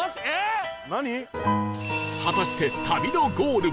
果たして旅のゴール